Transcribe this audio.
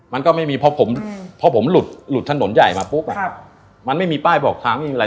มันก็ไม่มีเพราะผมหลุดถนนใหญ่มาปุ๊บมันไม่มีป้ายบอกทางอีกอะไร